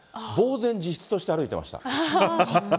茫然自失として歩いていました。